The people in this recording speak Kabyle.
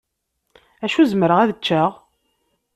Acu zemreɣ ad ččeɣ?